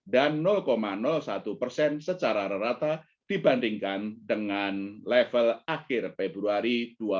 dan satu persen secara rata dibandingkan dengan level akhir februari dua ribu dua puluh dua